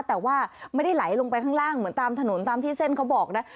แต่ว่าไม่ได้ไหลลงไปข้างล่างเหมือนตามถนนตามที่เส้นเขาบอกนะ